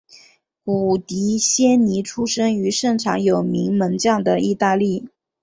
古迪仙尼出生于盛产有名门将的意大利。